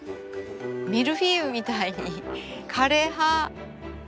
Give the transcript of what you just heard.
ミルフィーユみたいに枯れ葉ぬか